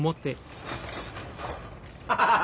ハハハハ！